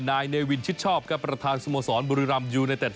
นายเนวินชิดชอบครับประธานสโมสรบุรีรำยูไนเต็ด